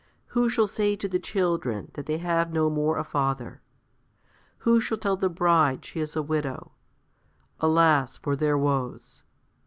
511Who shall say to the children that they have no more a father? Who shall tell the Bride she is a widow? Alas for their woes!